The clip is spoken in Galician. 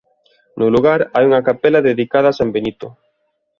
No lugar hai unha capela dedicada a San Benito.